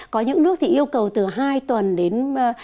có những nước thì yêu cầu từ hai tuần đến